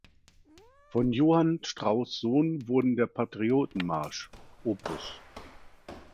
Von Johann Strauss Sohn wurden der "Patrioten-Marsch", op.